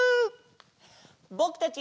ぼくたち！